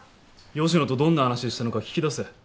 吉野とどんな話したのか聞き出せ。